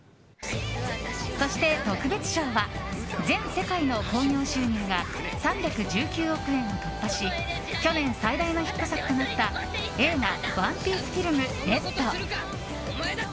そして特別賞は全世界の興行収入が３１９億円を突破し去年最大のヒット作となった映画「ＯＮＥＰＩＥＣＥＦＩＬＭＲＥＤ」。